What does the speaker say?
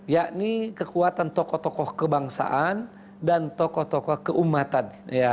yakni kekuatan tokoh tokoh kebangsaan dan tokoh tokoh keumatan